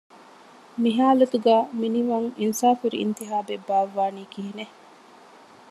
މި ހާލަތުގައި މިނިވަން އިންސާފުވެރި އިންތިޚާބެއް ބާއްވާނީ ކިހިނެއް؟